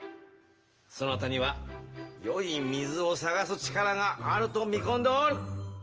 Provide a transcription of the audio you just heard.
そなたにはよい水を探す力があると見込んでおる。